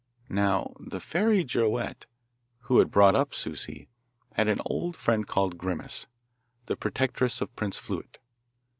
Now the fairy Girouette, who had brought up Souci, had an old friend called Grimace, the protectress of Prince Fluet.